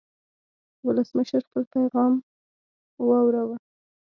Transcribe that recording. ولسمشر خپل پیغام واوراوه.